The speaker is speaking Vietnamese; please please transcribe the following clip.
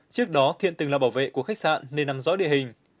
trước đó thiện từng là bảo vệ của khách sạn nên nằm dõi địa hình